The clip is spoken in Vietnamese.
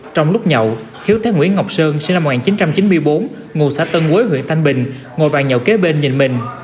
trong lúc nhậu hiếu thấy nguyễn ngọc sơn sinh năm một nghìn chín trăm chín mươi bốn ngụ xã tân quế huyện thanh bình ngồi bàn nhậu kế bên nhìn mình